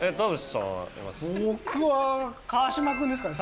僕は川島くんですかね